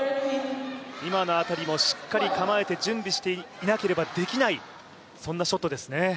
今の辺りもしっかり構えて準備していなければできないショットですね。